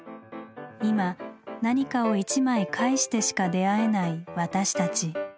今何かを１枚介してしか出会えない私たち。